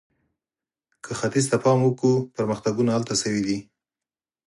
که ختیځ ته پام وکړو، پرمختګونه هلته شوي دي.